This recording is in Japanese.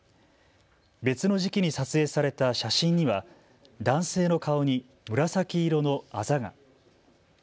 別の時期に撮影された写真には男性の顔に紫色のあざが。